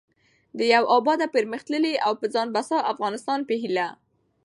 د يو اباد٬پرمختللي او په ځان بسيا افغانستان په هيله